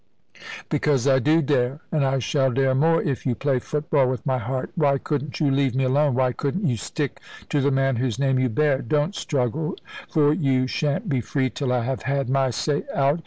"Because I do dare, and I shall dare more, if you play football with my heart. Why couldn't you leave me alone? Why couldn't you stick to the man whose name you bear? Don't struggle, for you shan't be free till I have had my say out.